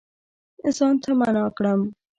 ځان ته معنا کړم